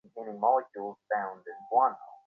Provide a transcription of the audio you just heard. Spider Man কোনো কারণে আমাকে আক্রমণ করেছে।